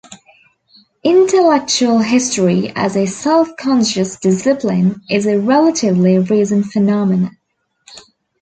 Intellectual history as a self-conscious discipline is a relatively recent phenomenon.